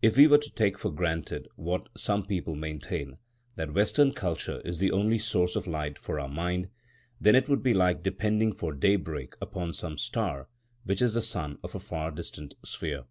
If we were to take for granted, what some people maintain, that Western culture is the only source of light for our mind, then it would be like depending for daybreak upon some star, which is the sun of a far distant sphere.